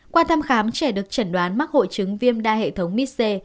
qua thăm khám trẻ được chẩn đoán mắc hội chứng viêm đa hệ thống mis c